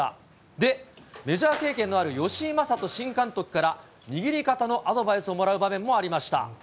で、メジャー経験のある吉井まさと新監督から、握り方のアドバイスをもらう場面もありました。